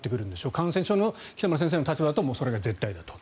感染症の北村先生の立場だとそれが絶対だと。